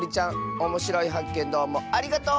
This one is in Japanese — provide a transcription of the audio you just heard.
おもしろいはっけんどうもありがとう！